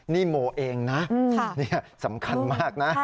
นี่โมเองนะนี่สำคัญมากนะ